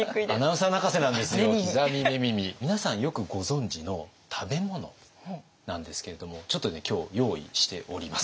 皆さんよくご存じの食べ物なんですけれどもちょっとね今日用意しております。